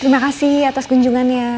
terima kasih atas kunjungan ya